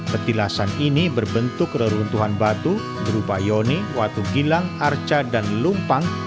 petilasan ini berbentuk reruntuhan batu berupa yoni watu gilang arca dan lumpang